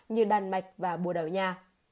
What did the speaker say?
như đan mạch và bùa đảo nha